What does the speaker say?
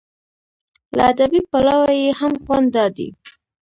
له ادبي پلوه یې هم خوند دا دی.